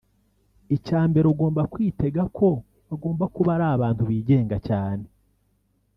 Icya mbere ugomba kwitega ko bagomba kuba ari abantu bigenga cyane